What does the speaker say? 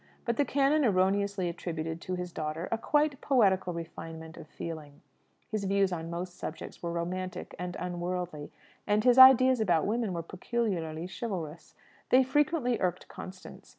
But the canon erroneously attributed to his daughter a quite poetical refinement of feeling. His views on most subjects were romantic and unworldly, and his ideas about women were peculiarly chivalrous. They frequently irked Constance.